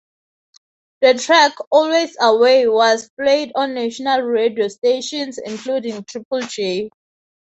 The track, "Always Away", was played on national radio stations including Triple J.